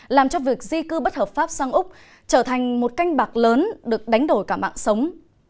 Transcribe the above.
làm cho việc di cư bất hợp pháp sang úc trở thành một canh bạc lớn được đánh đổi cả mạng sống